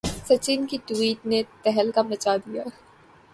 سچن کی ٹوئٹ نے تہلکہ مچا دیا